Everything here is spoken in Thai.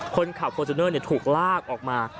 คนขับฟอร์จูเนอร์ถูกลากออกมา